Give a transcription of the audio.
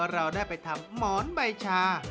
เราได้ไปทำหมอนใบชา